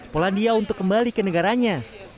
polandia untuk kembali ke negaranya